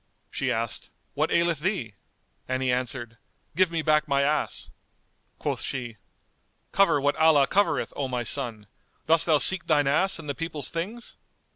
She asked, "What aileth thee?"; and he answered, "Give me back my ass." Quoth she, "Cover what Allah covereth, O my son! Dost thou seek thine ass and the people's things?"